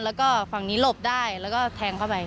แล้วก็ฝั่งนี้หลบได้แล้วก็แทงเข้าไป